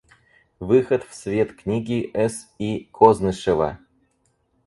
Выход в свет книги С. И. Кознышева.